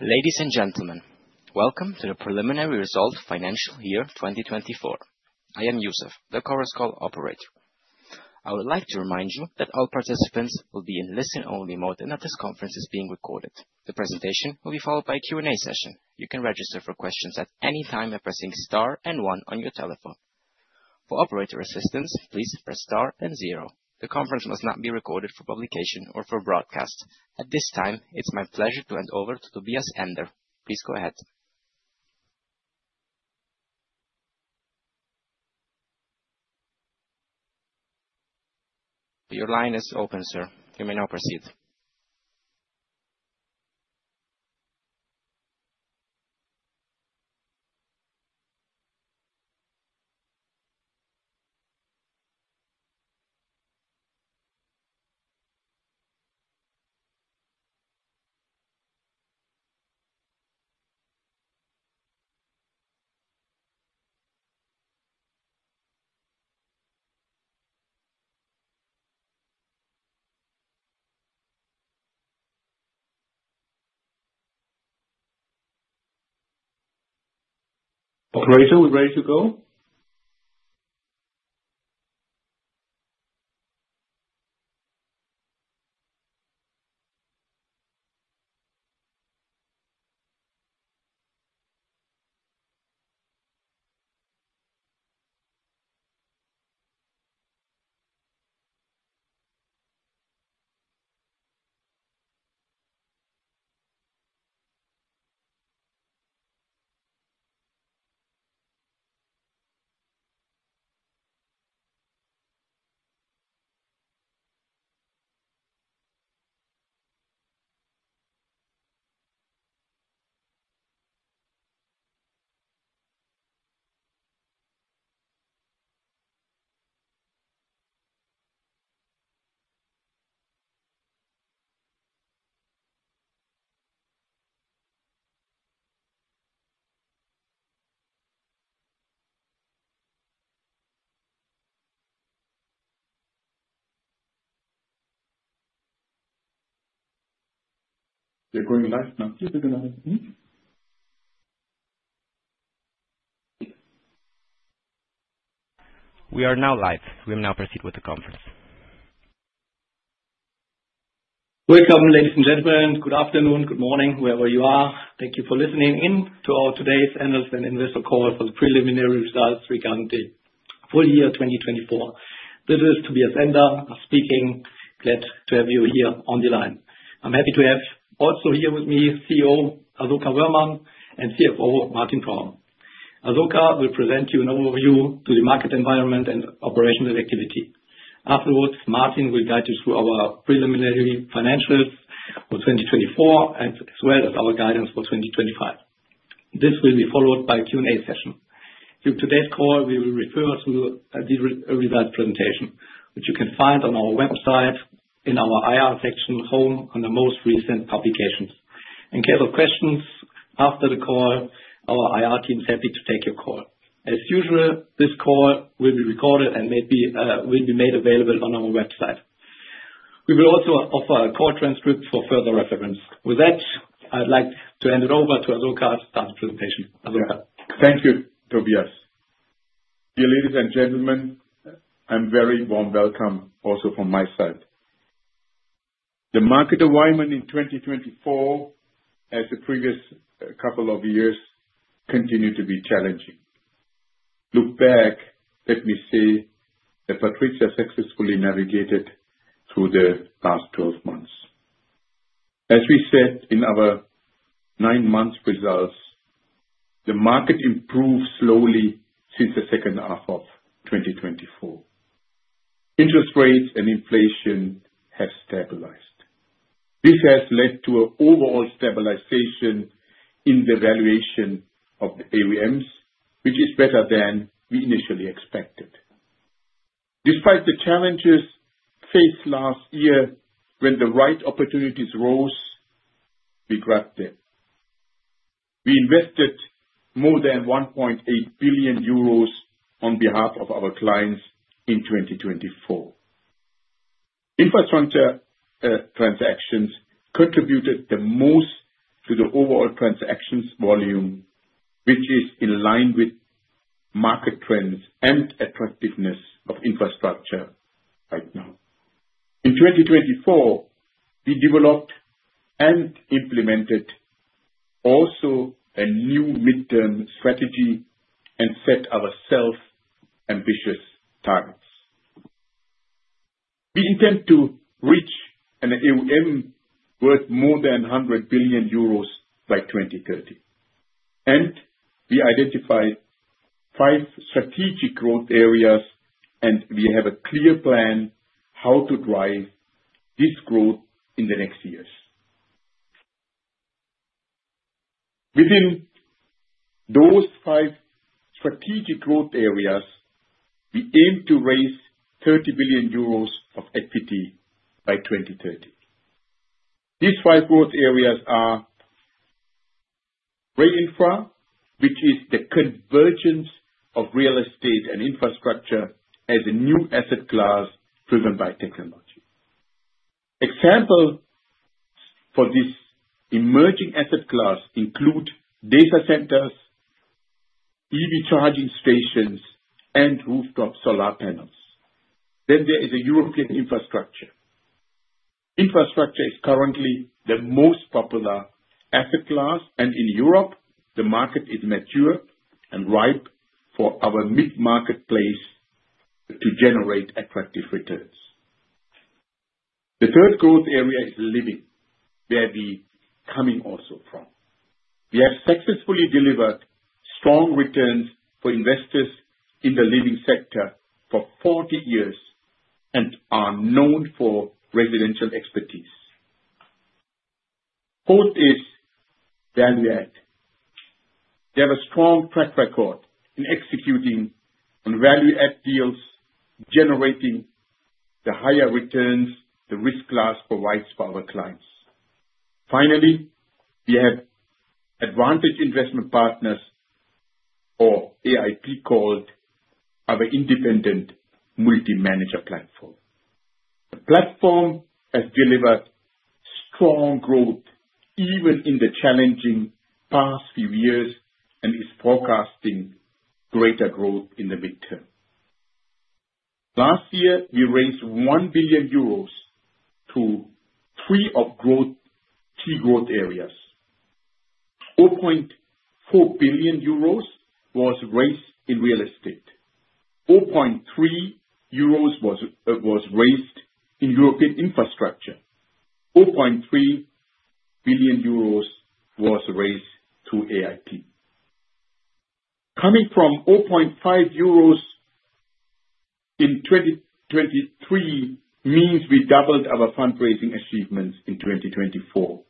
Ladies and gentlemen, welcome to the preliminary result financial year 2024. I am Yusuf, the Chorus Call operator. I would like to remind you that all participants will be in listen-only mode and that this conference is being recorded. The presentation will be followed by a Q&A session. You can register for questions at any time by pressing star and one on your telephone. For operator assistance, please press star and zero. The conference must not be recorded for publication or for broadcast. At this time, it's my pleasure to hand over to Tobias Ender. Please go ahead. Your line is open, sir. You may now proceed. Operator, we're ready to go. They're going live. Now, keep it in a minute, please. We are now live. We may now proceed with the conference. Welcome, ladies and gentlemen. Good afternoon, good morning, wherever you are. Thank you for listening in to our today's analyst and investor call for the preliminary results regarding the full year 2024. This is Tobias Ender speaking. Glad to have you here on the line. I'm happy to have also here with me, CEO Asoka Wöhrmann and CFO Martin Praum. Asoka will present you an overview of the market environment and operational activity. Afterwards, Martin will guide you through our preliminary financials for 2024, as well as our guidance for 2025. This will be followed by a Q&A session. During today's call, we will refer to the results presentation, which you can find on our website in our IR section, home, under most recent publications. In case of questions after the call, our IR team is happy to take your call. As usual, this call will be recorded and will be made available on our website. We will also offer a call transcript for further reference. With that, I'd like to hand it over to Asoka to start the presentation. Asoka. Thank you, Tobias. Dear ladies and gentlemen, a very warm welcome also from my side. The market environment in 2024, as the previous couple of years, continued to be challenging. Look back, let me say that PATRIZIA successfully navigated through the last 12 months. As we said in our nine-month results, the market improved slowly since the second half of 2024. Interest rates and inflation have stabilized. This has led to an overall stabilization in the valuation of the AUMs, which is better than we initially expected. Despite the challenges faced last year, when the right opportunities rose, we grabbed them. We invested more than 1.8 billion euros on behalf of our clients in 2024. Infrastructure transactions contributed the most to the overall transactions volume, which is in line with market trends and attractiveness of infrastructure right now. In 2024, we developed and implemented also a new midterm strategy and set ourselves ambitious targets. We intend to reach an AUM worth more than 100 billion euros by 2030. We identified five strategic growth areas, and we have a clear plan how to drive this growth in the next years. Within those five strategic growth areas, we aim to raise 30 billion euros of equity by 2030. These five growth areas are Re-Infra, which is the convergence of real estate and infrastructure as a new asset class driven by technology. Examples for this emerging asset class include data centers, EV charging stations, and rooftop solar panels. There is the European infrastructure. Infrastructure is currently the most popular asset class, and in Europe, the market is mature and ripe for our mid-marketplace to generate attractive returns. The third growth area is living, where we are coming also from. We have successfully delivered strong returns for investors in the living sector for 40 years and are known for residential expertise. Fourth is value-add. We have a strong track record in executing on value-add deals, generating the higher returns the risk class provides for our clients. Finally, we have ADVANTAGE Investment Partners, or AIP called, our independent multi-manager platform. The platform has delivered strong growth even in the challenging past few years and is forecasting greater growth in the midterm. Last year, we raised 1 billion euros through three of key growth areas. 4.4 billion euros was raised in real estate. 4.3 billion euros was raised in European infrastructure. 4.3 billion euros was raised through AIP. Coming from 4.5 billion euros in 2023 means we doubled our fundraising achievements in 2024.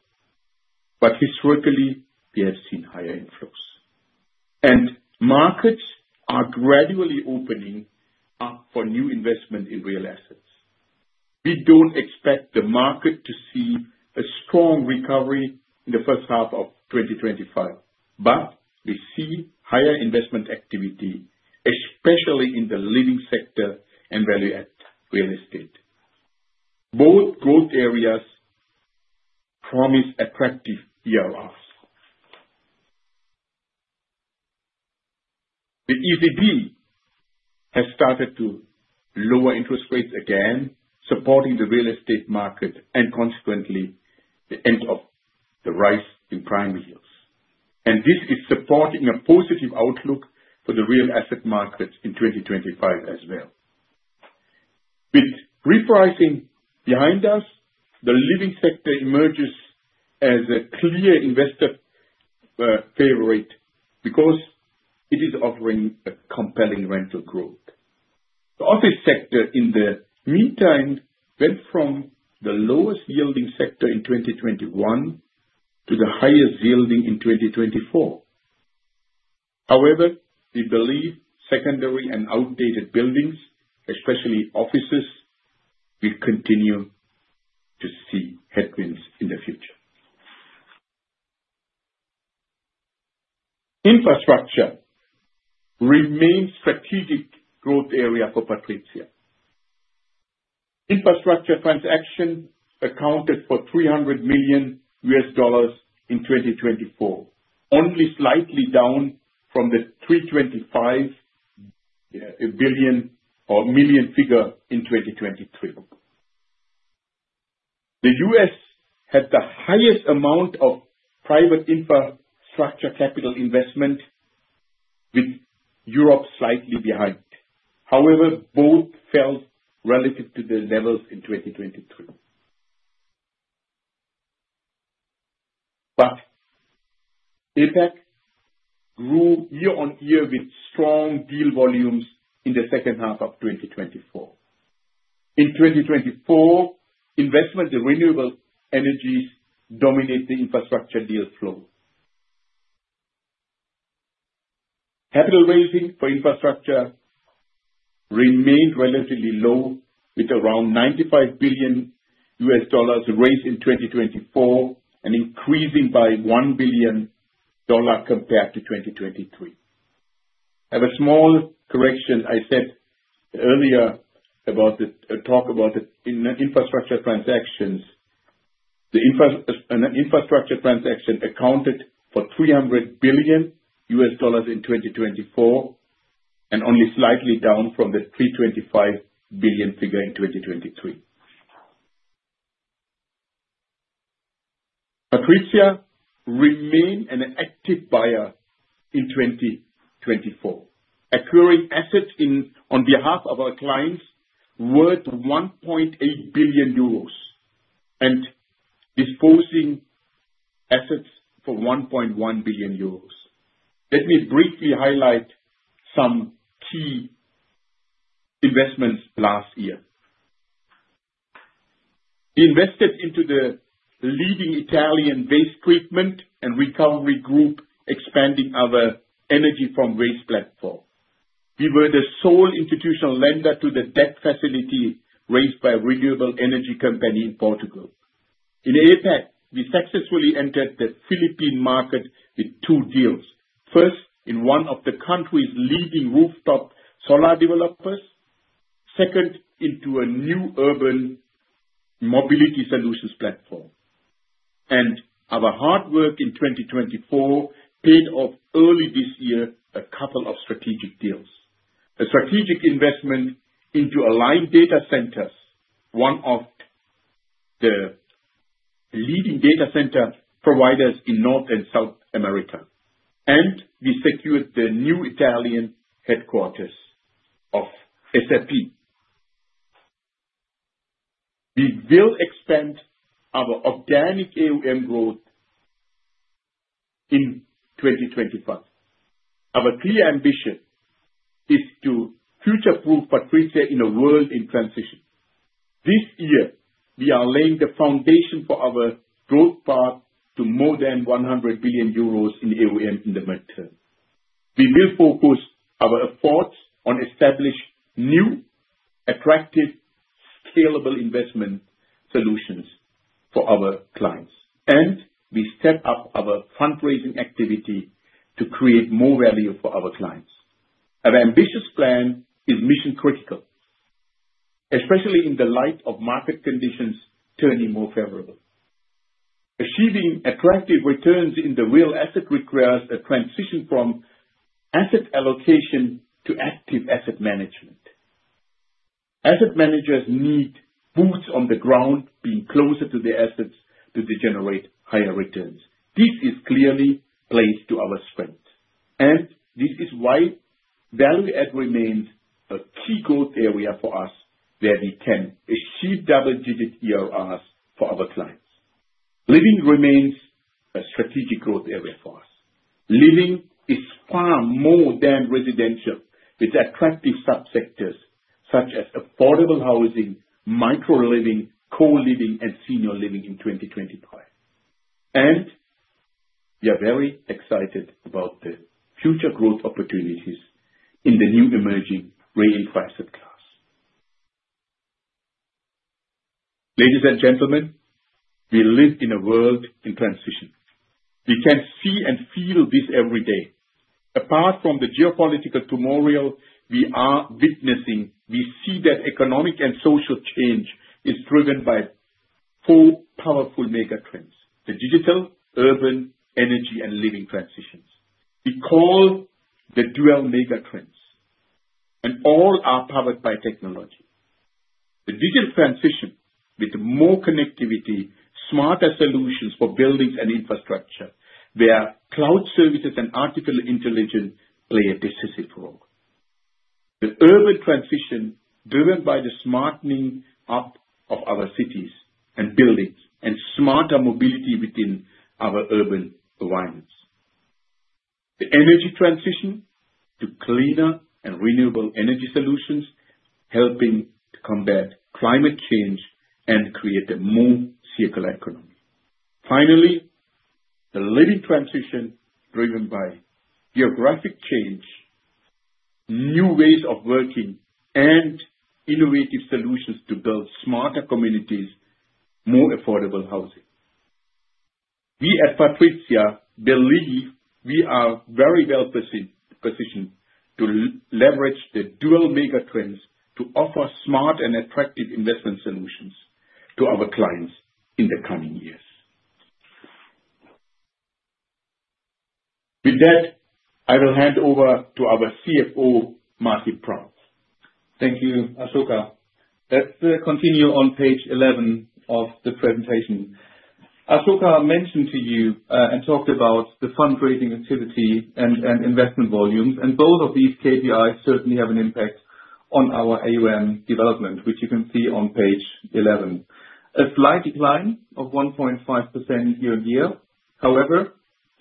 Historically, we have seen higher inflows. Markets are gradually opening up for new investment in real assets. We don't expect the market to see a strong recovery in the first half of 2025, but we see higher investment activity, especially in the living sector and value-add real estate. Both growth areas promise attractive IRRs. The ECB has started to lower interest rates again, supporting the real estate market and consequently the end of the rise in prime yields. This is supporting a positive outlook for the real asset markets in 2025 as well. With repricing behind us, the living sector emerges as a clear investor favorite because it is offering a compelling rental growth. The office sector, in the meantime, went from the lowest yielding sector in 2021 to the highest yielding in 2024. However, we believe secondary and outdated buildings, especially offices, will continue to see headwinds in the future. Infrastructure remains a strategic growth area for PATRIZIA. Infrastructure transactions accounted for $300 billion in 2024, only slightly down from the $325 billion or million figure in 2023. The U.S. had the highest amount of private infrastructure capital investment, with Europe slightly behind. However, both fell relative to their levels in 2023. APAC grew year-on-year with strong deal volumes in the second half of 2024. In 2024, investment in renewable energies dominated the infrastructure deal flow. Capital raising for infrastructure remained relatively low, with around $95 billion raised in 2024 and increasing by $1 billion compared to 2023. I have a small correction. I said earlier about the talk about the infrastructure transactions. The infrastructure transaction accounted for $300 billion in 2024 and only slightly down from the $325 billion figure in 2023. PATRIZIA remained an active buyer in 2024, acquiring assets on behalf of our clients worth 1.8 billion euros and disposing of assets for 1.1 billion euros. Let me briefly highlight some key investments last year. We invested into the leading Italian waste treatment and recovery group, expanding our energy from waste platform. We were the sole institutional lender to the debt facility raised by a renewable energy company in Portugal. In APAC, we successfully entered the Philippine market with two deals. First, in one of the country's leading rooftop solar developers. Second, into a new urban mobility solutions platform. Our hard work in 2024 paid off early this year with a couple of strategic deals. A strategic investment into Aligned Data Centers, one of the leading data center providers in North and South America. We secured the new Italian headquarters of SAP. We will expand our organic AUM growth in 2025. Our clear ambition is to future-proof PATRIZIA in a world in transition. This year, we are laying the foundation for our growth path to more than 100 billion euros in AUM in the midterm. We will focus our efforts on establishing new, attractive, scalable investment solutions for our clients. We step up our fundraising activity to create more value for our clients. Our ambitious plan is mission-critical, especially in the light of market conditions turning more favorable. Achieving attractive returns in the real asset requires a transition from asset allocation to active asset management. Asset managers need boots on the ground being closer to their assets to generate higher returns. This is clearly placed to our strength. This is why value-add remains a key growth area for us, where we can achieve double-digit IRRs for our clients. Living remains a strategic growth area for us. Living is far more than residential with attractive subsectors such as affordable housing, micro-living, co-living, and senior living in 2025. We are very excited about the future growth opportunities in the new emerging Re-Infra asset class. Ladies and gentlemen, we live in a world in transition. We can see and feel this every day. Apart from the geopolitical turmoil we are witnessing, we see that economic and social change is driven by four powerful megatrends: the digital, urban, energy, and living transitions. We call the DUEL megatrends. All are powered by technology. The digital transition with more connectivity, smarter solutions for buildings and infrastructure, where cloud services and artificial intelligence play a decisive role. The urban transition driven by the smartening up of our cities and buildings, and smarter mobility within our urban environments. The energy transition to cleaner and renewable energy solutions, helping to combat climate change and create a more circular economy. Finally, the living transition driven by geographic change, new ways of working, and innovative solutions to build smarter communities, more affordable housing. We at PATRIZIA believe we are very well positioned to leverage the DUEL megatrends to offer smart and attractive investment solutions to our clients in the coming years. With that, I will hand over to our CFO, Martin Praum. Thank you, Asoka. Let's continue on page 11 of the presentation. Asoka mentioned to you and talked about the fundraising activity and investment volumes. Both of these KPIs certainly have an impact on our AUM development, which you can see on page 11. A slight decline of 1.5% year-on-year. However,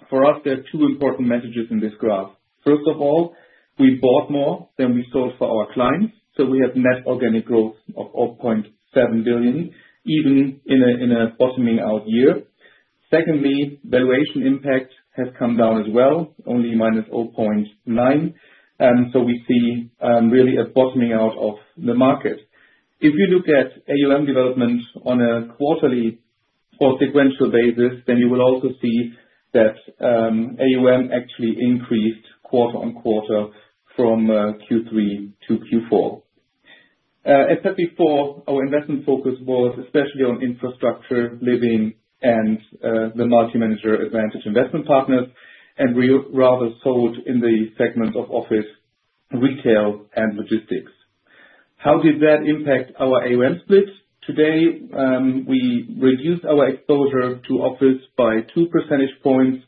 for us, there are two important messages in this graph. First of all, we bought more than we sold for our clients, so we have net organic growth of 0.7 billion, even in a bottoming-out year. Secondly, valuation impact has come down as well, only minus 0.9 billion. We see really a bottoming-out of the market. If you look at AUM development on a quarterly or sequential basis, you will also see that AUM actually increased quarter on quarter from Q3 to Q4. As said before, our investment focus was especially on infrastructure, living, and the multi-manager ADVANTAGE Investment Partners, and we rather sold in the segments of office, retail, and logistics. How did that impact our AUM split? Today, we reduced our exposure to office by 2 percentage points.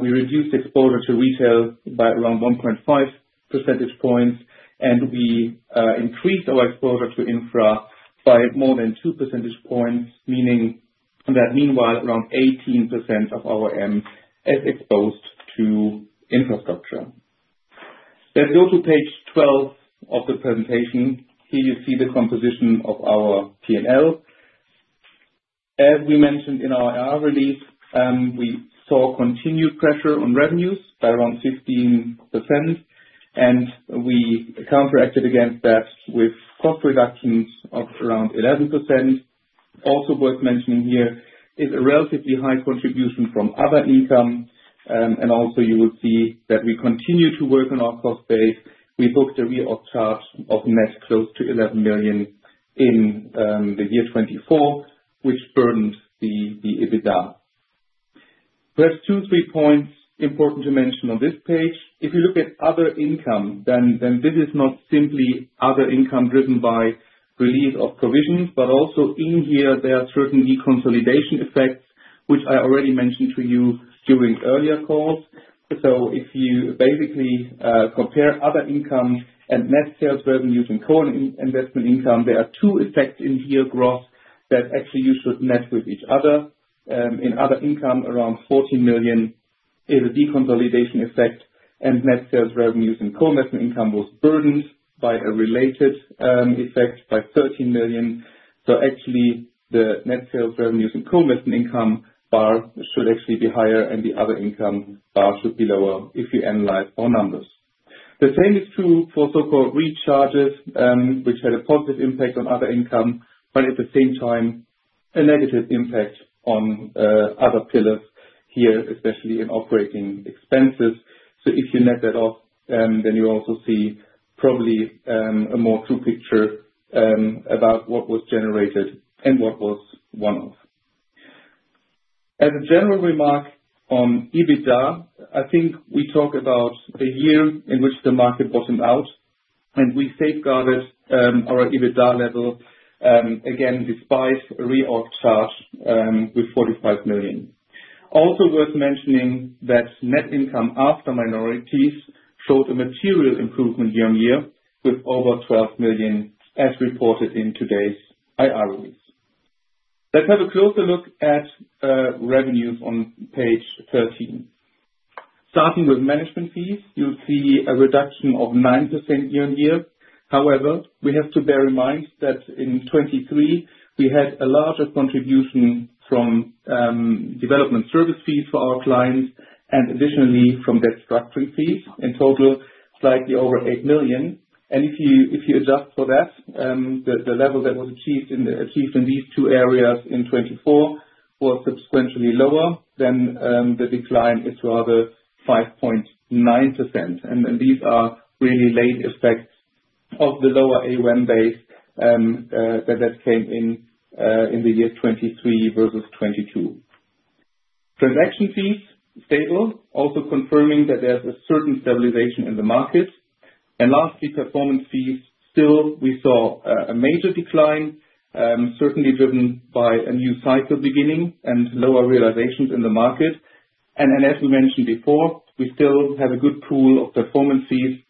We reduced exposure to retail by around 1.5 percentage points, and we increased our exposure to infra by more than 2 percentage points, meaning that meanwhile, around 18% of our AUM is exposed to infrastructure. Let's go to page 12 of the presentation. Here you see the composition of our P&L. As we mentioned in our IR release, we saw continued pressure on revenues by around 15%, and we counteracted against that with cost reductions of around 11%. Also worth mentioning here is a relatively high contribution from other income. Also, you will see that we continue to work on our cost base. We booked a re-org charge of net close to 11 million in the year 2024, which burdened the EBITDA. Perhaps two, three points important to mention on this page. If you look at other income, then this is not simply other income driven by release of provisions, but also in here, there are certain deconsolidation effects, which I already mentioned to you during earlier calls. If you basically compare other income and net sales revenues and co-investment income, there are two effects in here, gross, that actually you should net with each other. In other income, around 14 million is a deconsolidation effect, and net sales revenues and co-investment income was burdened by a related effect by 13 million. Actually, the net sales revenues and co-investment income bar should actually be higher, and the other income bar should be lower if you analyze our numbers. The same is true for so-called recharges, which had a positive impact on other income, but at the same time, a negative impact on other pillars here, especially in operating expenses. If you net that off, then you also see probably a more true picture about what was generated and what was one-off. As a general remark on EBITDA, I think we talk about a year in which the market bottomed out, and we safeguarded our EBITDA level again despite a re-org charge with 45 million. Also worth mentioning that net income after minorities showed a material improvement year-on-year with over 12 million, as reported in today's IR release. Let's have a closer look at revenues on page 13. Starting with management fees, you'll see a reduction of 9% year-on-year. However, we have to bear in mind that in 2023, we had a larger contribution from development service fees for our clients and additionally from debt structuring fees in total, slightly over 8 million. If you adjust for that, the level that was achieved in these two areas in 2024 was subsequently lower than the decline is rather 5.9%. These are really late effects of the lower AUM base that came in the year 2023 versus 2022. Transaction fees, stable, also confirming that there is a certain stabilization in the market. Lastly, performance fees, still we saw a major decline, certainly driven by a new cycle beginning and lower realizations in the market. As we mentioned before, we still have a good pool of performance fees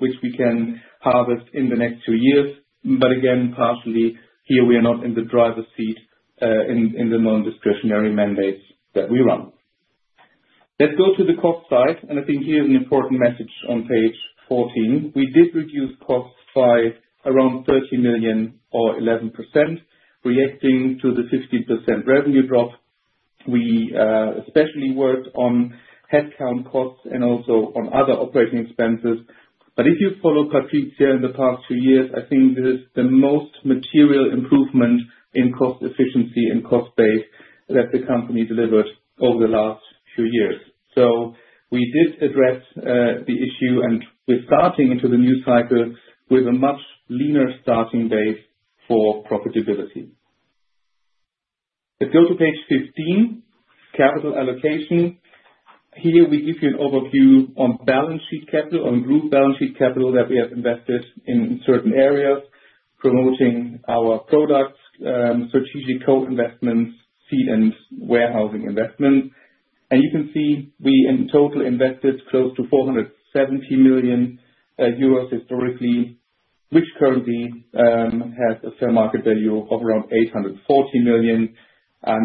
which we can harvest in the next two years. Again, partially here, we are not in the driver's seat in the non-discretionary mandates that we run. Let's go to the cost side. I think here is an important message on page 14. We did reduce costs by around 13 million or 11%, reacting to the 15% revenue drop. We especially worked on headcount costs and also on other operating expenses. If you follow PATRIZIA in the past two years, I think this is the most material improvement in cost efficiency and cost base that the company delivered over the last few years. We did address the issue, and we're starting into the new cycle with a much leaner starting base for profitability. Let's go to page 15, capital allocation. Here we give you an overview on balance sheet capital, on group balance sheet capital that we have invested in certain areas, promoting our products, strategic co-investments, seed, and warehousing investments. You can see we in total invested close to 470 million euros historically, which currently has a fair market value of around 840 million.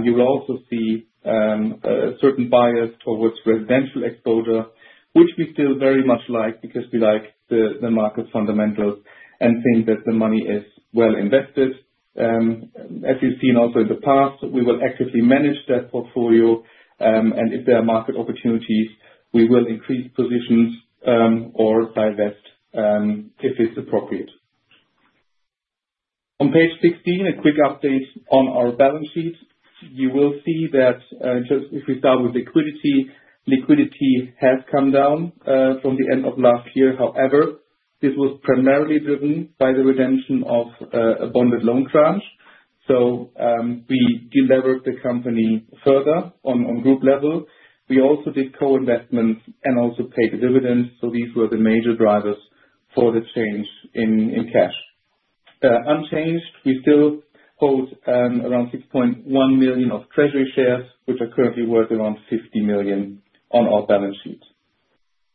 You will also see certain bias towards residential exposure, which we still very much like because we like the market fundamentals and think that the money is well invested. As you have seen also in the past, we will actively manage that portfolio. If there are market opportunities, we will increase positions or divest if it is appropriate. On page 16, a quick update on our balance sheet. You will see that if we start with liquidity, liquidity has come down from the end of last year. However, this was primarily driven by the redemption of a bonded loan tranche. We delivered the company further on group level. We also did co-investments and also paid dividends. These were the major drivers for the change in cash. Unchanged, we still hold around 6.1 million of treasury shares, which are currently worth around 50 million on our balance sheet.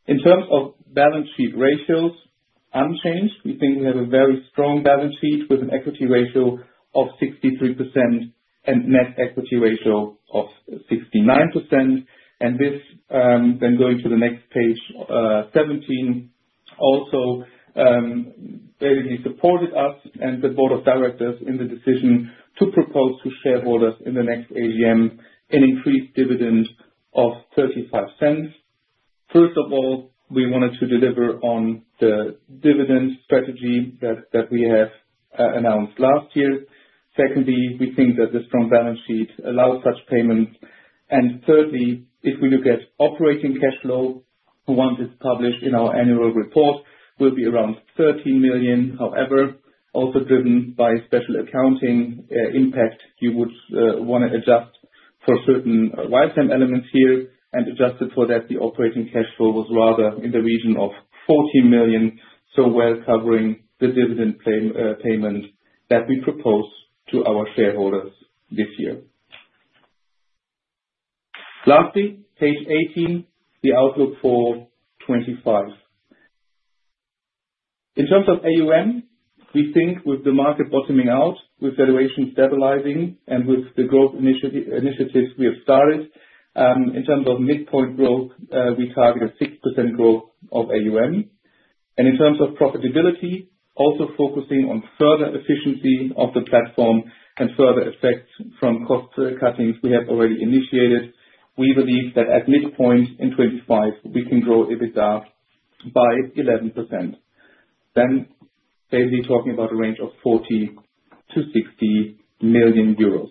In terms of balance sheet ratios, unchanged, we think we have a very strong balance sheet with an equity ratio of 63% and net equity ratio of 69%. This, then going to the next page, 17, also really supported us and the board of directors in the decision to propose to shareholders in the next AGM an increased dividend of 0.35. First of all, we wanted to deliver on the dividend strategy that we have announced last year. Secondly, we think that the strong balance sheet allows such payments. Thirdly, if we look at operating cash flow, the one that's published in our annual report will be around 13 million. However, also driven by special accounting impact, you would want to adjust for certain Whitehelm elements here and adjust it for that. The operating cash flow was rather in the region of 40 million, so well covering the dividend payment that we propose to our shareholders this year. Lastly, page 18, the outlook for 2025. In terms of AUM, we think with the market bottoming out, with valuation stabilizing, and with the growth initiatives we have started, in terms of midpoint growth, we target a 6% growth of AUM. In terms of profitability, also focusing on further efficiency of the platform and further effects from cost cuttings we have already initiated, we believe that at midpoint in 2025, we can grow EBITDA by 11%. Basically talking about a range of 40 million-60 million euros.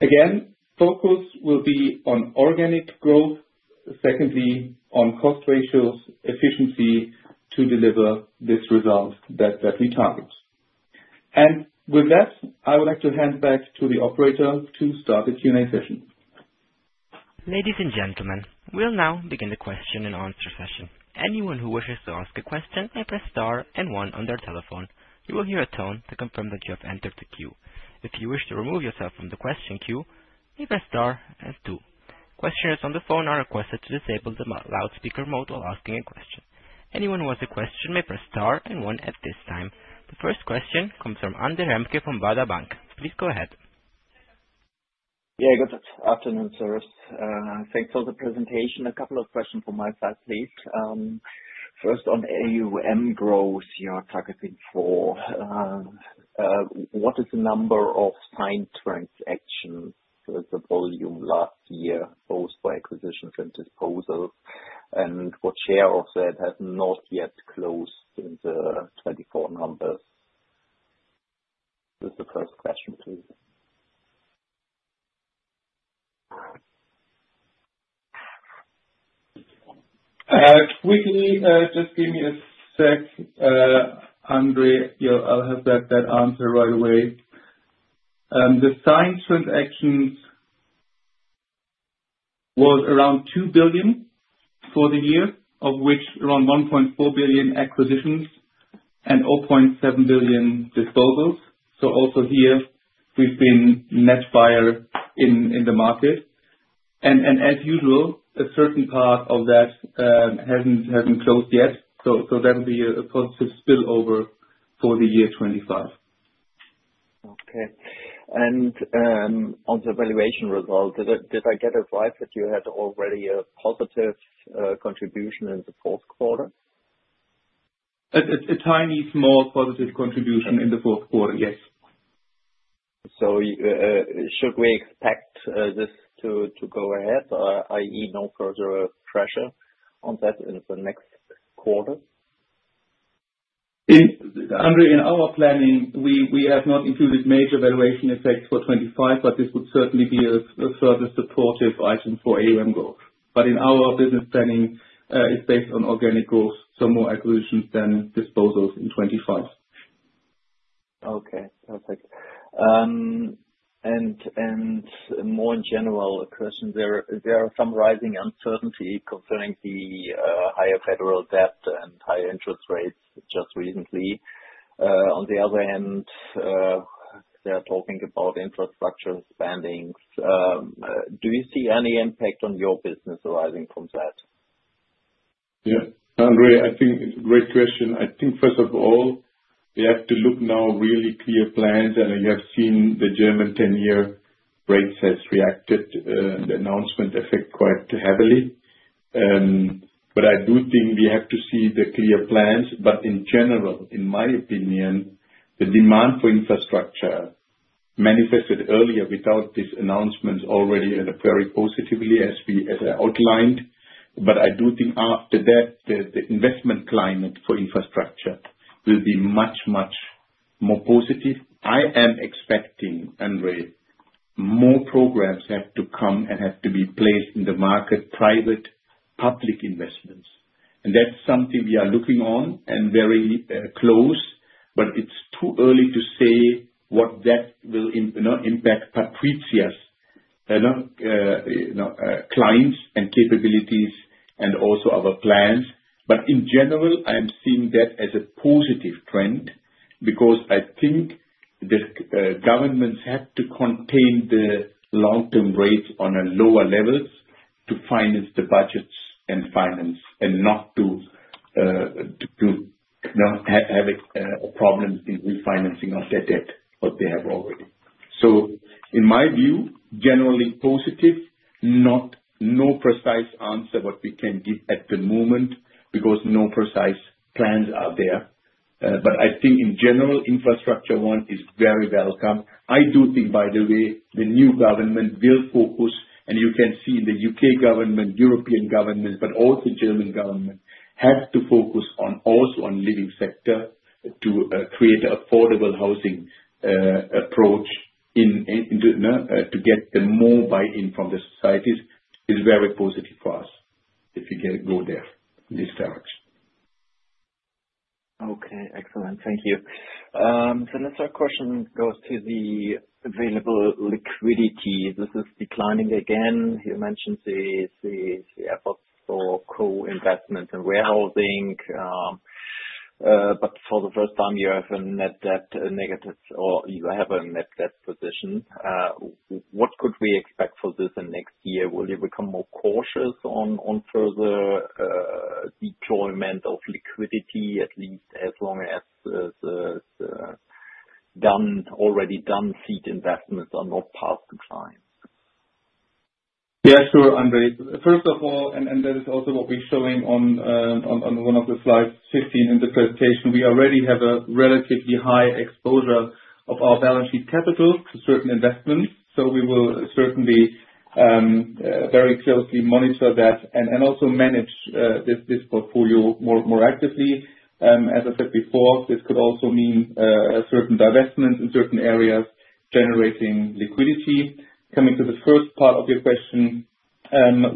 Again, focus will be on organic growth. Secondly, on cost ratios, efficiency to deliver this result that we target. With that, I would like to hand back to the operator to start the Q&A session. Ladies and gentlemen, we'll now begin the question and answer session. Anyone who wishes to ask a question may press star and one on their telephone. You will hear a tone to confirm that you have entered the queue. If you wish to remove yourself from the question queue, you press star and two. Questioners on the phone are requested to disable the loudspeaker mode while asking a question. Anyone who has a question may press star and one at this time. The first question comes from Andre Remke from Baader Bank. Please go ahead. Yeah, good afternoon, Sir. Thanks for the presentation. A couple of questions from my side, please. First, on AUM growth, you're targeting for what is the number of signed transactions with the volume last year, both by acquisitions and disposals, and what share of that has not yet closed in the 2024 numbers? This is the first question, please. Quickly, just give me a sec, Andre. I'll have that answer right away. The signed transactions were around 2 billion for the year, of which around 1.4 billion acquisitions and 0.7 billion disposals. Also here, we've been net buyer in the market. As usual, a certain part of that hasn't closed yet. That will be a positive spillover for the year 2025. Okay. On the valuation result, did I get it right that you had already a positive contribution in the fourth quarter? A tiny, small positive contribution in the fourth quarter, yes. Should we expect this to go ahead, i.e., no further pressure on that in the next quarter? Andre, in our planning, we have not included major valuation effects for 2025, but this would certainly be a further supportive item for AUM growth. In our business planning, it's based on organic growth, so more acquisitions than disposals in 2025. Okay. Perfect. More in general, a question. There are some rising uncertainty concerning the higher federal debt and higher interest rates just recently. On the other hand, they're talking about infrastructure spendings. Do you see any impact on your business arising from that? Yeah. Andre, I think it's a great question. I think first of all, we have to look now really clear plans. You have seen the German 10-year rate has reacted and the announcement affected quite heavily. I do think we have to see the clear plans. In general, in my opinion, the demand for infrastructure manifested earlier without this announcement already very positively as I outlined. I do think after that, the investment climate for infrastructure will be much, much more positive. I am expecting, Andre, more programs have to come and have to be placed in the market, private, public investments. That is something we are looking on and very close. It is too early to say what that will impact PATRIZIA's clients and capabilities and also our plans. In general, I am seeing that as a positive trend because I think the governments have to contain the long-term rates on lower levels to finance the budgets and finance and not to have a problem in refinancing of their debt, what they have already. In my view, generally positive, no precise answer what we can give at the moment because no precise plans are there. I think in general, infrastructure one is very welcome. I do think, by the way, the new government will focus, and you can see the U.K. government, European government, but also German government have to focus also on living sector to create an affordable housing approach to get more buy-in from the societies is very positive for us if we go there in this direction. Okay. Excellent. Thank you. The next question goes to the available liquidity. This is declining again. You mentioned the efforts for co-investments and warehousing. For the first time, you have a net debt negative or you have a net debt position. What could we expect for this next year? Will you become more cautious on further deployment of liquidity, at least as long as the already done seed investments are not past the client? Yeah, sure, Andre. First of all, and that is also what we're showing on one of the slides 15 in the presentation, we already have a relatively high exposure of our balance sheet capital to certain investments. We will certainly very closely monitor that and also manage this portfolio more actively. As I said before, this could also mean certain divestments in certain areas generating liquidity. Coming to the first part of your question,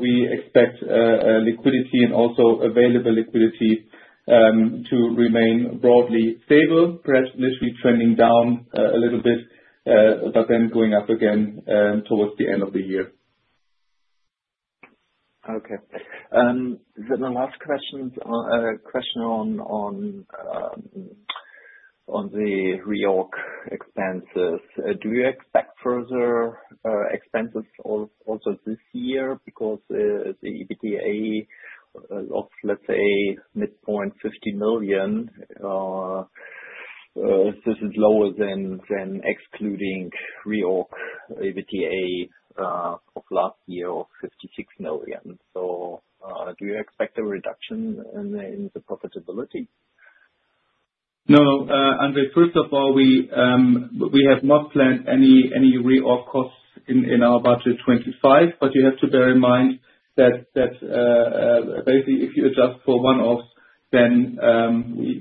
we expect liquidity and also available liquidity to remain broadly stable, perhaps initially trending down a little bit, but then going up again towards the end of the year. Okay. The last question on the reorg expenses. Do you expect further expenses also this year? Because the EBITDA of, let's say, midpoint 50 million, this is lower than excluding reorg EBITDA of last year of 56 million. Do you expect a reduction in the profitability? No, Andre. First of all, we have not planned any reorg costs in our budget 2025. You have to bear in mind that basically if you adjust for one-offs, then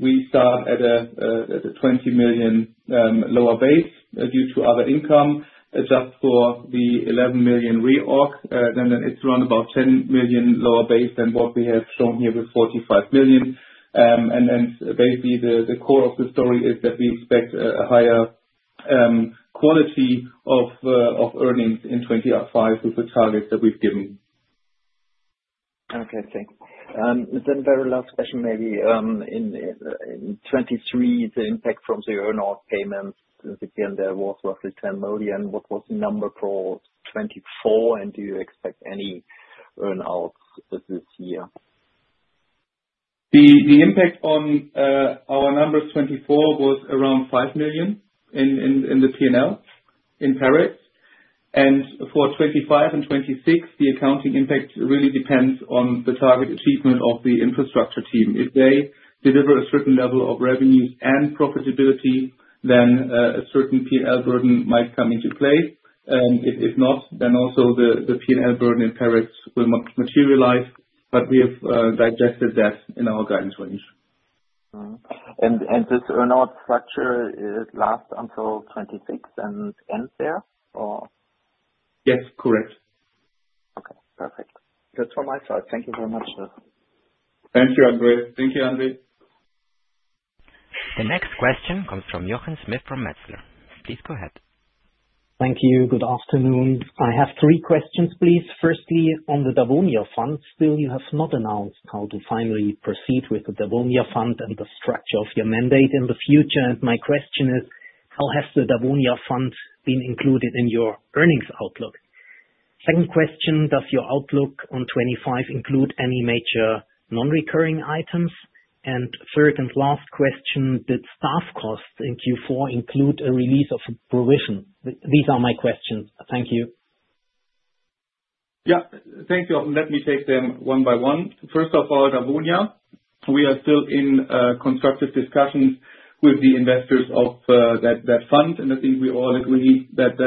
we start at a 20 million lower base due to other income. Adjust for the 11 million reorg, then it is around about 10 million lower base than what we have shown here with 45 million. Basically the core of the story is that we expect a higher quality of earnings in 2025 with the targets that we have given. Okay. Thanks. Very last question maybe. In 2023, the impact from the earnout payments, since again there was roughly 10 million, what was the number for 2024? Do you expect any earnouts this year? The impact on our number of 2024 was around 5 million in the P&L in PersEx. For 2025 and 2026, the accounting impact really depends on the target achievement of the infrastructure team. If they deliver a certain level of revenues and profitability, then a certain P&L burden might come into play. If not, then also the P&L burden in PersEx will not materialize. We have digested that in our guidance range. This earnout structure, it lasts until 2026 and ends there, or? Yes, correct. Okay. Perfect. That is all my side. Thank you very much, Sir. Thank you, Andre. Thank you, Andre. The next question comes from Jochen Schmitt from Metzler. Please go ahead. Thank you. Good afternoon. I have three questions, please. Firstly, on the Dawonia fund, still you have not announced how to finally proceed with the Dawonia fund and the structure of your mandate in the future. My question is, how has the Dawonia fund been included in your earnings outlook? Second question, does your outlook on 2025 include any major non-recurring items? Third and last question, did staff costs in Q4 include a release of provision? These are my questions. Thank you. Thank you. Let me take them one by one. First of all, Dawonia, we are still in constructive discussions with the investors of that fund. I think we all agree that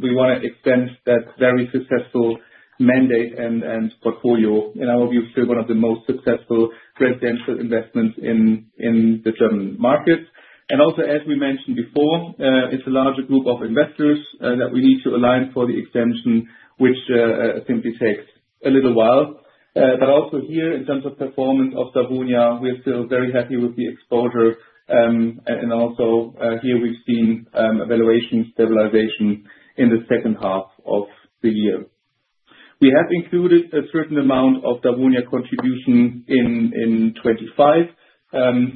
we want to extend that very successful mandate and portfolio. I hope you have still one of the most successful residential investments in the German market. Also, as we mentioned before, it is a larger group of investors that we need to align for the extension, which simply takes a little while. Also here, in terms of performance of Dawonia, we are still very happy with the exposure. Also here, we've seen evaluation stabilization in the second half of the year. We have included a certain amount of Dawonia contribution in 2025,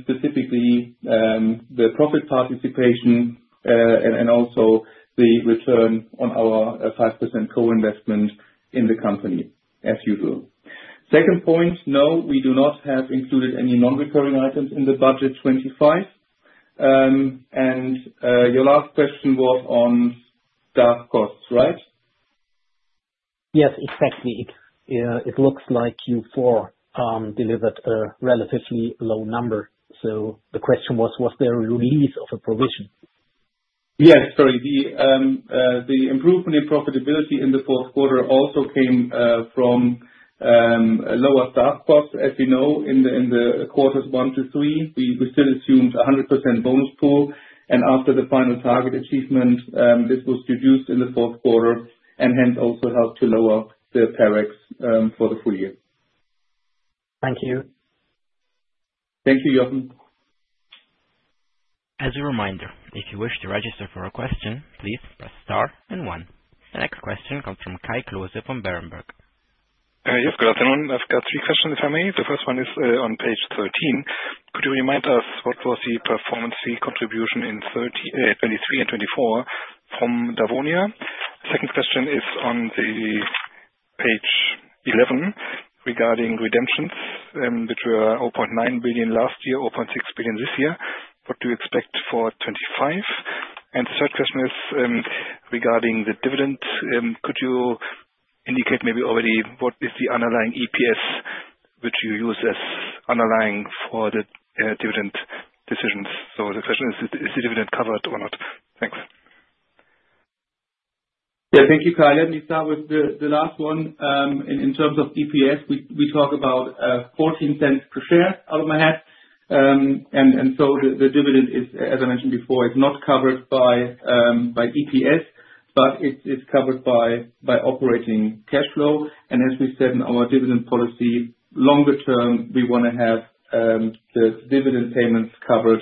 specifically the profit participation and also the return on our 5% co-investment in the company, as usual. Second point, no, we do not have included any non-recurring items in the budget 2025. Your last question was on staff costs, right? Yes, exactly. It looks like Q4 delivered a relatively low number. The question was, was there a release of a provision? Yes. Sorry. The improvement in profitability in the fourth quarter also came from lower staff costs, as you know, in the quarters one to three. We still assumed a 100% bonus pool. After the final target achievement, this was reduced in the fourth quarter and hence also helped to lower the PersEx for the full year. Thank you. Thank you, Jochen. As a reminder, if you wish to register for a question, please press star and one. The next question comes from Kai Klose from Berenberg. Yes, good afternoon. I've got three questions, if I may. The first one is on page 13. Could you remind us what was the performance fee contribution in 2023 and 2024 from Dawonia? Second question is on page 11 regarding redemptions, which were 0.9 billion last year, 0.6 billion this year. What do you expect for 2025? The third question is regarding the dividend. Could you indicate maybe already what is the underlying EPS which you use as underlying for the dividend decisions? The question is, is the dividend covered or not? Thanks. Yeah. Thank you, Kai. We start with the last one. In terms of EPS, we talk about 0.14 per share, out of my head. The dividend is, as I mentioned before, not covered by EPS, but it is covered by operating cash flow. As we said in our dividend policy, longer term, we want to have the dividend payments covered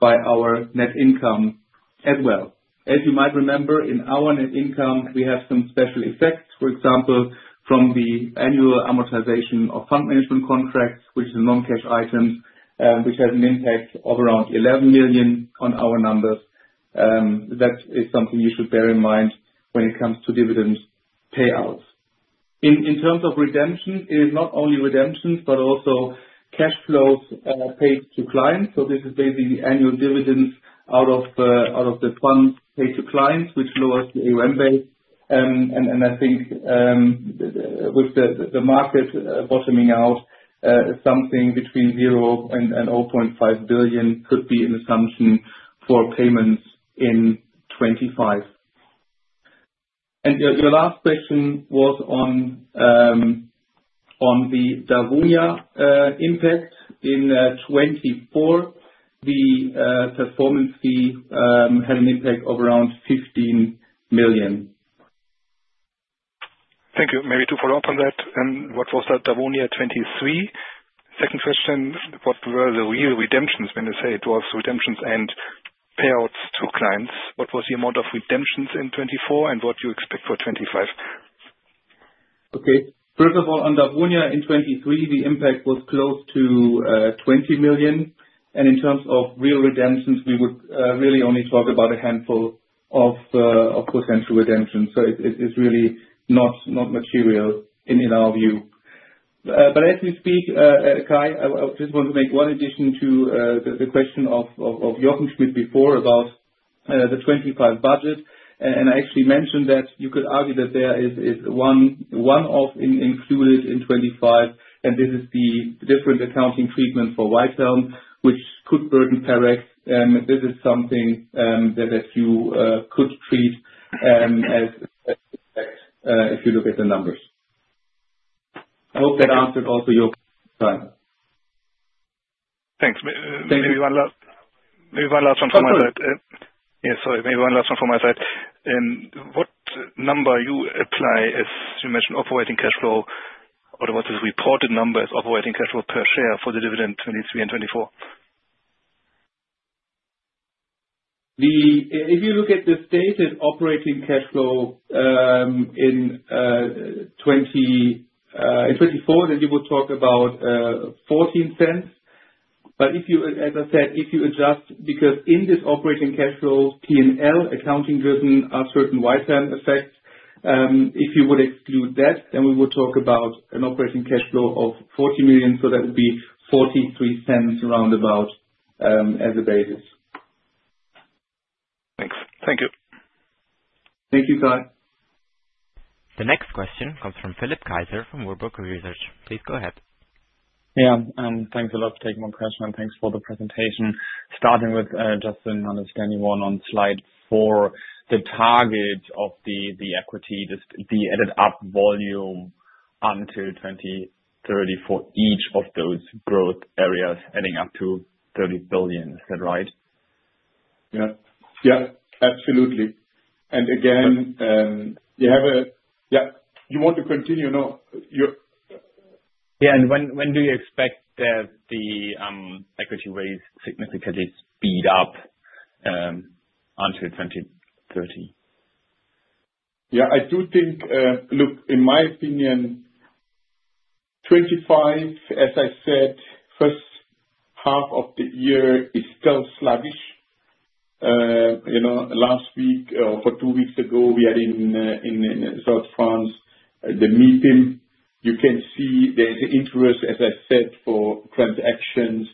by our net income as well. As you might remember, in our net income, we have some special effects. For example, from the annual amortization of fund management contracts, which are non-cash items, which has an impact of around 11 million on our numbers. That is something you should bear in mind when it comes to dividend payouts. In terms of redemptions, it is not only redemptions, but also cash flows paid to clients. This is basically the annual dividends out of the funds paid to clients, which lowers the AUM base. I think with the market bottoming out, something between 0 and 500 million could be an assumption for payments in 2025. Your last question was on the Dawonia impact. In 2024, the performance fee had an impact of around 15 million. Thank you. Maybe to follow up on that, what was that Dawonia 2023? Second question, what were the real redemptions? When you say it was redemptions and payouts to clients, what was the amount of redemptions in 2024 and what do you expect for 2025? Okay. First of all, on Dawonia in 2023, the impact was close to 20 million. In terms of real redemptions, we would really only talk about a handful of potential redemptions. It is really not material in our view. As we speak, Kai, I just want to make one addition to the question of Jochen Schmidt before about the 2025 budget. I actually mentioned that you could argue that there is one off included in 2025, and this is the different accounting treatment for Whitehelm, which could burden PersEx. This is something that you could treat as an impact if you look at the numbers. I hope that answered also your question, Kai. Thanks. Maybe one last one from my side. Yeah, sorry. Maybe one last one from my side. What number you apply is, you mentioned operating cash flow, or what is the reported number is operating cash flow per share for the dividend 2023 and 2024? If you look at the stated operating cash flow in 2024, then you would talk about 0.14. As I said, if you adjust, because in this operating cash flow, P&L, accounting driven, are certain Whitehelm effects. If you would exclude that, then we would talk about an operating cash flow of 40 million. That would be 0.43 roundabout as a basis. Thanks. Thank you. Thank you, Kai. The next question comes from Philipp Kaiser from Warburg Research. Please go ahead. Yeah. Thanks a lot for taking my question. And thanks for the presentation. Starting with just an understanding one on slide four, the target of the equity, the added up volume until 2030 for each of those growth areas adding up to 30 billion. Is that right? Yeah. Yeah. Absolutely. Again, you have a yeah. You want to continue, no? Yeah. When do you expect the equity raises significantly speed up until 2030? Yeah. I do think, look, in my opinion, 2025, as I said, first half of the year is still sluggish. Last week or two weeks ago, we had in South France the meeting. You can see there's an interest, as I said, for transactions.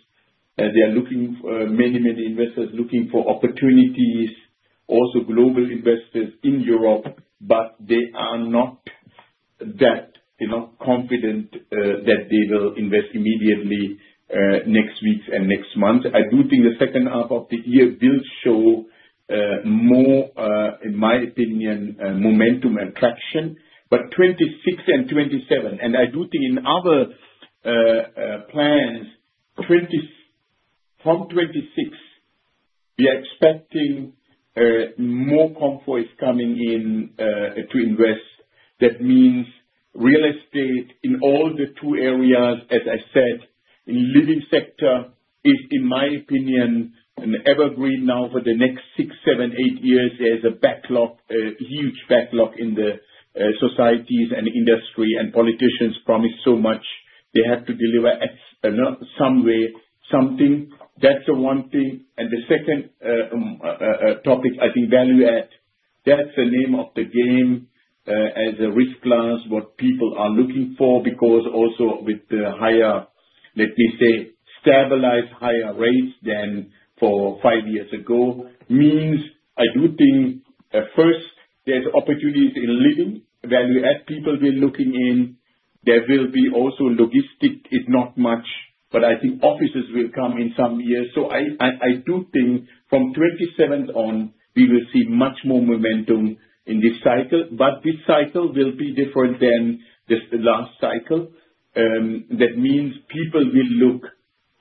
They are looking for many, many investors looking for opportunities, also global investors in Europe, but they are not that confident that they will invest immediately next week and next month. I do think the second half of the year will show more, in my opinion, momentum and traction. 2026 and 2027, and I do think in other plans, from 2026, we are expecting more comfort is coming in to invest. That means real estate in all the two areas, as I said, in the living sector is, in my opinion, an evergreen now for the next six, seven, eight years. There's a backlog, a huge backlog in the societies and industry. Politicians promise so much. They have to deliver someway something. That's the one thing. The second topic, I think, value-add. That's the name of the game as a risk class, what people are looking for. Because also with the higher, let me say, stabilized higher rates than for five years ago means I do think, first, there's opportunities in living. Value-add people will be looking in. There will be also logistics, not much. I think offices will come in some years. I do think from 2027 on, we will see much more momentum in this cycle. This cycle will be different than the last cycle. That means people will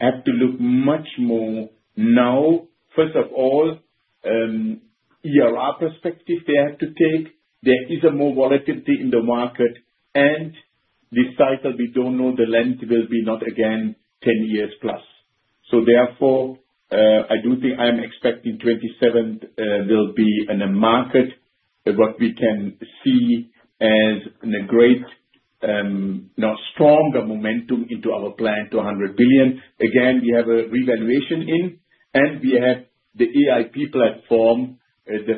have to look much more now, first of all, ERR perspective they have to take. There is more volatility in the market. This cycle, we do not know the length will be not again 10 years plus. Therefore, I do think I am expecting 2027 will be in a market that what we can see as a great, stronger momentum into our plan to 100 billion. Again, we have a revaluation in. We have the EIP platform, the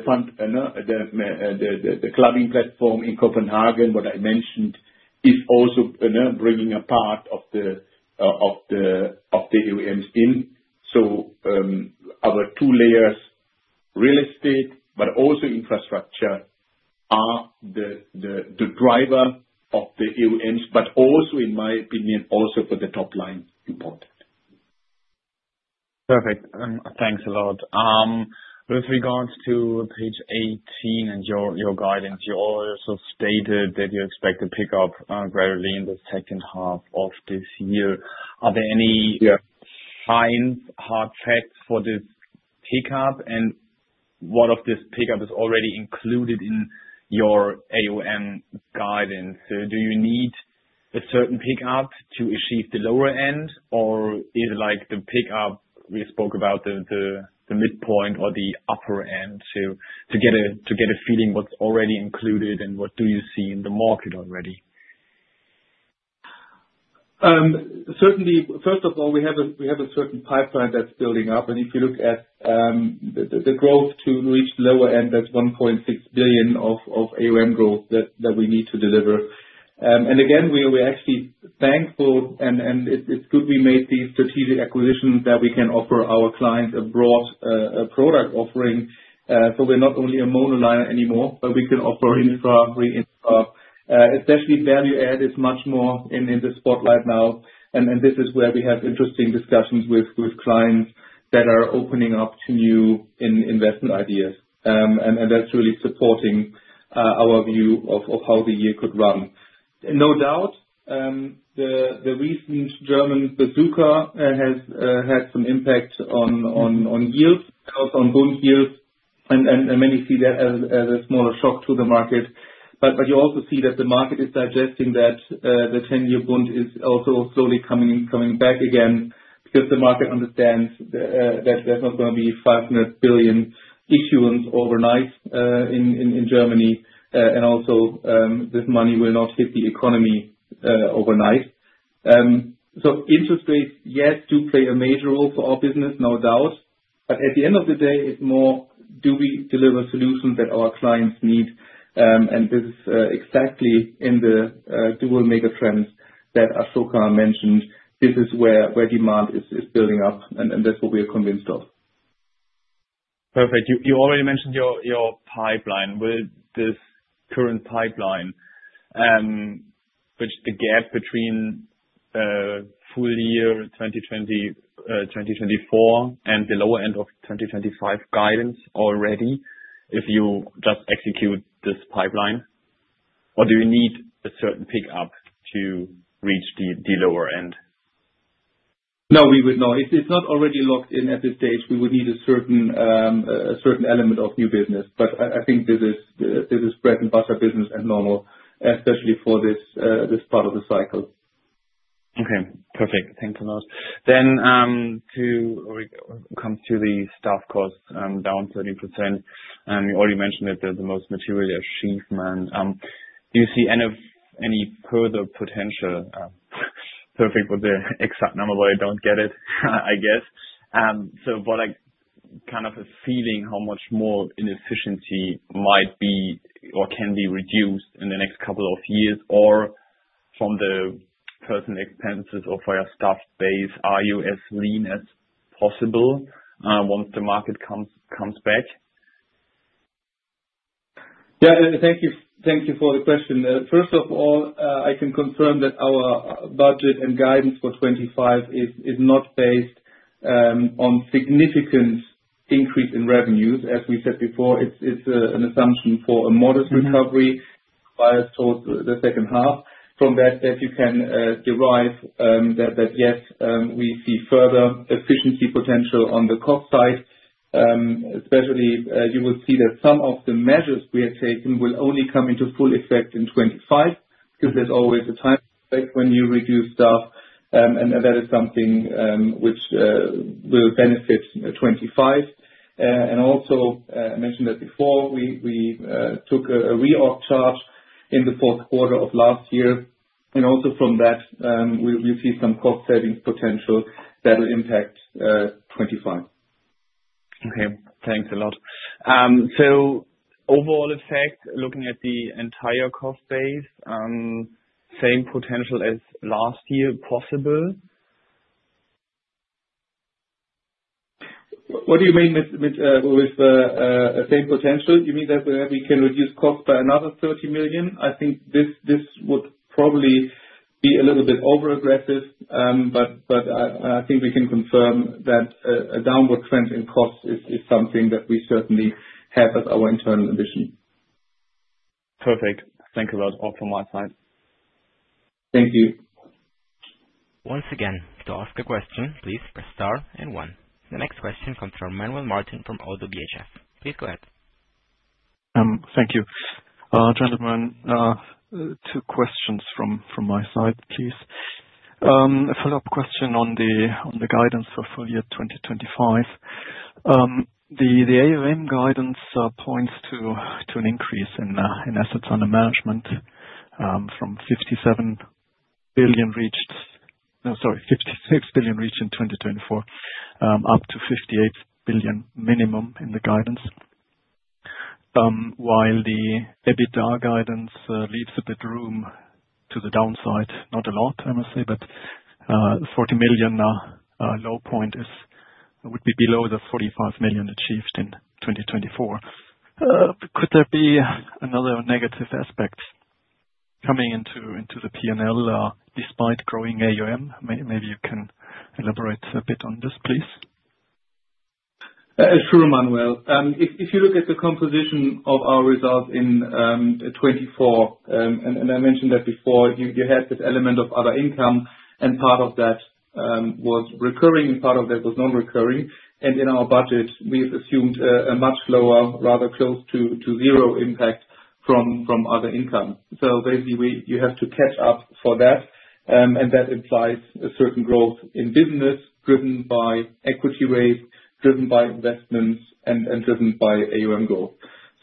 clubbing platform in Copenhagen, what I mentioned, is also bringing a part of the AUMs in. Our two layers, real estate, but also infrastructure, are the driver of the AUMs, but also, in my opinion, also for the top line important. Perfect. Thanks a lot. With regards to page 18 and your guidance, you also stated that you expect a pickup gradually in the second half of this year. Are there any signs, hard facts for this pickup? What of this pickup is already included in your AUM guidance? Do you need a certain pickup to achieve the lower end, or is it like the pickup we spoke about, the midpoint or the upper end, to get a feeling what's already included and what do you see in the market already? Certainly, first of all, we have a certain pipeline that's building up. If you look at the growth to reach the lower end, that's 1.6 billion of AUM growth that we need to deliver. Again, we're actually thankful. It's good we made these strategic acquisitions that we can offer our clients a broad product offering. We're not only a monoliner anymore, but we can offer Infra, Re-Infra. Especially Value Add is much more in the spotlight now. This is where we have interesting discussions with clients that are opening up to new investment ideas. That is really supporting our view of how the year could run. No doubt, the recent German bazooka has had some impact on yields, also on bond yields. Many see that as a smaller shock to the market. You also see that the market is digesting that the 10-year bond is also slowly coming back again because the market understands that there is not going to be 500 billion issuance overnight in Germany. Also, this money will not hit the economy overnight. Interest rates, yes, do play a major role for our business, no doubt. At the end of the day, it is more, do we deliver solutions that our clients need? This is exactly in the DUEL megatrends that Asoka mentioned. This is where demand is building up. That is what we are convinced of. Perfect. You already mentioned your pipeline. Will this current pipeline, which the gap between full year 2024 and the lower end of 2025 guidance already, if you just execute this pipeline? Or do you need a certain pickup to reach the lower end? No, we would not. If it's not already locked in at this stage, we would need a certain element of new business. I think this is bread and butter business and normal, especially for this part of the cycle. Okay. Perfect. Thanks a lot. To come to the staff costs down 30%. You already mentioned that there's the most material achievement. Do you see any further potential? Perfect with the exact number, but I don't get it, I guess. Kind of a feeling how much more inefficiency might be or can be reduced in the next couple of years or from the personal expenses or for your staff base? Are you as lean as possible once the market comes back? Yeah. Thank you for the question. First of all, I can confirm that our budget and guidance for 2025 is not based on significant increase in revenues. As we said before, it's an assumption for a modest recovery by the second half. From that, you can derive that, yes, we see further efficiency potential on the cost side. Especially, you will see that some of the measures we have taken will only come into full effect in 2025 because there's always a time when you reduce staff. That is something which will benefit 2025. I mentioned that before, we took a re-org charge in the fourth quarter of last year. Also from that, we'll see some cost-saving potential that will impact 2025. Okay. Thanks a lot. Overall effect, looking at the entire cost base, same potential as last year, possible? What do you mean with the same potential? You mean that we can reduce costs by another 30 million? I think this would probably be a little bit over-aggressive. I think we can confirm that a downward trend in costs is something that we certainly have as our internal ambition. Perfect. Thank you a lot. All from my side. Thank you. Once again, to ask a question, please press star and one. The next question comes from Manuel Martin from Oddo BHF. Please go ahead. Thank you. Gentlemen, two questions from my side, please. A follow-up question on the guidance for full year 2025. The AUM guidance points to an increase in assets under management from 57 billion reached, sorry, 56 billion reached in 2024, up to 58 billion minimum in the guidance. While the EBITDA guidance leaves a bit of room to the downside, not a lot, I must say, but 40 million low point would be below the 45 million achieved in 2024. Could there be another negative aspect coming into the P&L despite growing AUM? Maybe you can elaborate a bit on this, please. Sure, Manuel. If you look at the composition of our results in 2024, and I mentioned that before, you had this element of other income. Part of that was recurring, and part of that was non-recurring. In our budget, we have assumed a much lower, rather close to zero impact from other income. Basically, you have to catch up for that. That implies a certain growth in business driven by equity rates, driven by investments, and driven by AUM growth.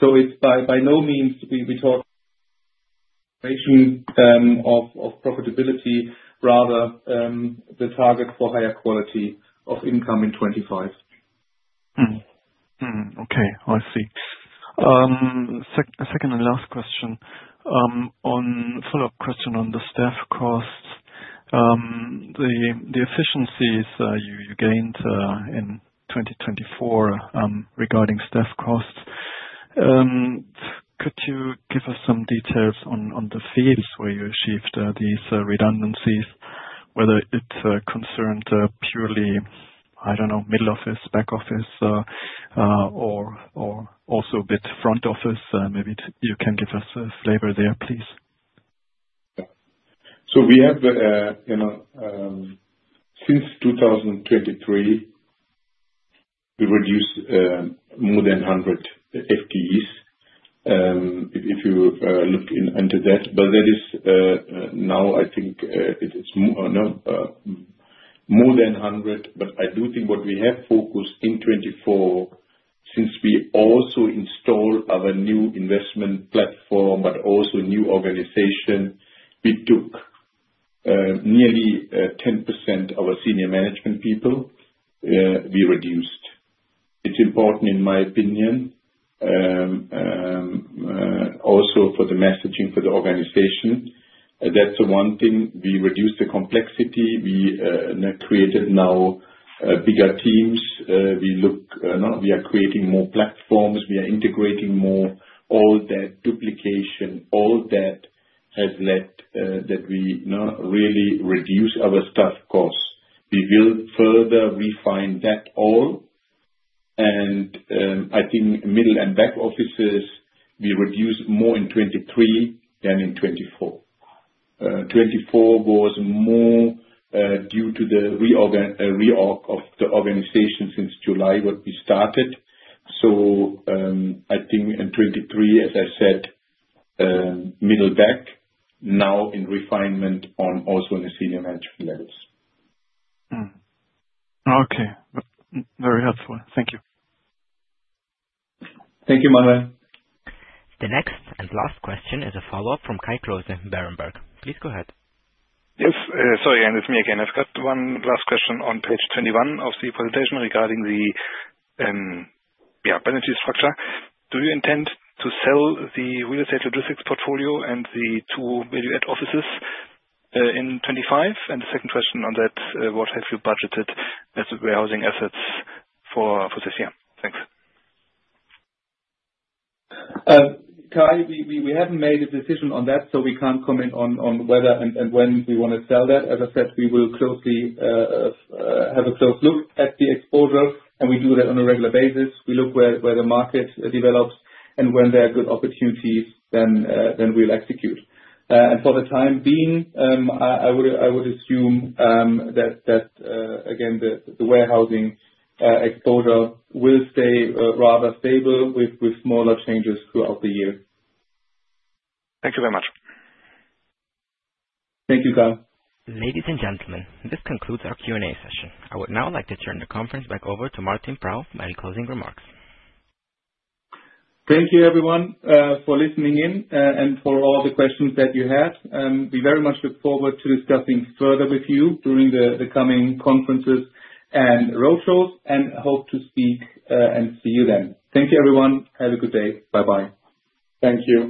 It is by no means we talk of profitability, rather the target for higher quality of income in 2025. Okay. I see. Second and last question. On follow-up question on the staff costs, the efficiencies you gained in 2024 regarding staff costs, could you give us some details on the fields where you achieved these redundancies, whether it concerned purely, I do not know, middle office, back office, or also a bit front office? Maybe you can give us a flavor there, please. We have, since 2023, reduced more than 100 FTEs if you look into that. That is now, I think, more than 100. I do think what we have focused in 2024, since we also installed our new investment platform, but also new organization, we took nearly 10% of our senior management people we reduced. It's important, in my opinion, also for the messaging for the organization. That's the one thing. We reduced the complexity. We created now bigger teams. We are creating more platforms. We are integrating more. All that duplication, all that has led that we really reduce our staff costs. We will further refine that all. I think middle and back offices, we reduce more in 2023 than in 2024. 2024 was more due to the re-org of the organization since July when we started. I think in 2023, as I said, middle back, now in refinement also in the senior management levels. Okay. Very helpful. Thank you. Thank you, Manuel. The next and last question is a follow-up from Kai Klose, Berenberg. Please go ahead. Yes. Sorry, and it's me again. I've got one last question on page 21 of the presentation regarding the portfolio structure. Do you intend to sell the real estate logistics portfolio and the two value-add offices in 2025? The second question on that, what have you budgeted as the warehousing assets for this year? Thanks. Kai, we have not made a decision on that, so we cannot comment on whether and when we want to sell that. As I said, we will have a close look at the exposure, and we do that on a regular basis. We look where the market develops, and when there are good opportunities, we will execute. For the time being, I would assume that, again, the warehousing exposure will stay rather stable with smaller changes throughout the year. Thank you very much. Thank you, Kai. Ladies and gentlemen, this concludes our Q&A session. I would now like to turn the conference back over to Martin Praum for closing remarks. Thank you, everyone, for listening in and for all the questions that you had. We very much look forward to discussing further with you during the coming conferences and roadshows and hope to speak and see you then. Thank you, everyone. Have a good day. Bye-bye. Thank you.